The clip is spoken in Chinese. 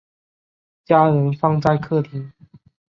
家人放在客厅